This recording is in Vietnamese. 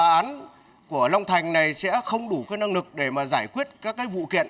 cái dự án của long thành này sẽ không đủ cơ năng lực để mà giải quyết các cái vụ kiện